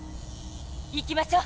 行きましょ！